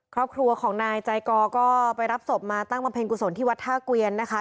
ครอบครัวของนายใจกอก็ไปรับศพมาตั้งบำเพ็ญกุศลที่วัดท่าเกวียนนะคะ